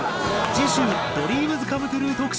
次週ＤＲＥＡＭＳＣＯＭＥＴＲＵＥ特集。